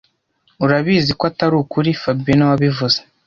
Urabizi ko atari ukuri fabien niwe wabivuze